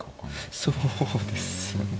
そうです。